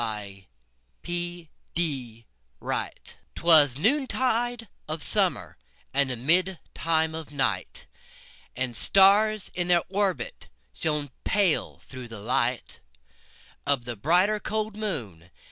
1827 Evening Star 'Twas noontide of summer, And midtime of night, And stars, in their orbits, Shone pale, through the light Of the brighter, cold moon.